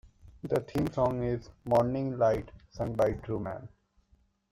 The theme song is "Morning Light" sung by Truman.